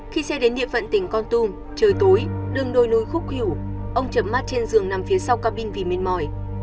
khi xe đến địa phận tỉnh con tum trời tối đường đôi núi khúc hữu ông chập mắt trên giường nằm phía sau ca binh vì mệt mỏi